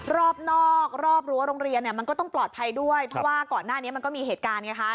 รอบนอกรอบรั้วโรงเรียนเนี่ยมันก็ต้องปลอดภัยด้วยเพราะว่าก่อนหน้านี้มันก็มีเหตุการณ์ไงคะ